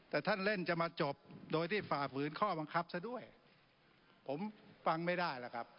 แต่ท่านเล่นจะมาจบโดยที่ฝ่าฝืนข้อบังคับซะด้วยผมฟังไม่ได้แล้วครับ